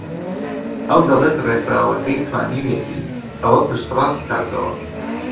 ئەو دەڵێت ڕێکخراوەکەی توانیویەتی ئەوە پشتڕاست بکاتەوە